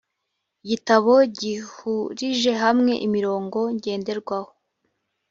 igitabo gihurije hamwe imirongo ngenderwaho